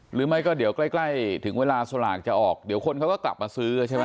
หรือไม่ก็เดี๋ยวใกล้ถึงเวลาสลากจะออกเดี๋ยวคนเขาก็กลับมาซื้อใช่ไหม